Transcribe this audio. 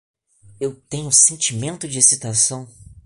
Eu tenho um sentimento de excitação